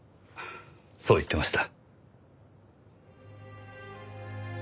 そう言ってました。